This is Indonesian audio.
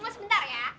tunggu sebentar ya